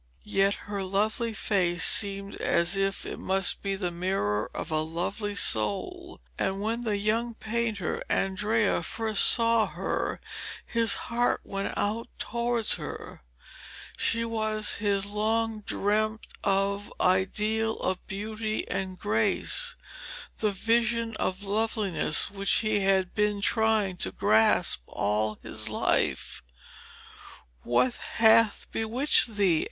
Yet her lovely face seemed as if it must be the mirror of a lovely soul, and when the young painter Andrea first saw her his heart went out towards her. She was his long dreamed of ideal of beauty and grace, the vision of loveliness which he had been trying to grasp all his life. 'What hath bewitched thee?'